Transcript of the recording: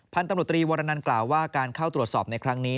พันธุ์ตำรวจตรีวรนันกล่าวว่าการเข้าตรวจสอบในครั้งนี้